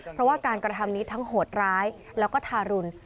เพราะว่าการกระทำนี้ทั้งโหดร้ายแล้วก็ทารุณ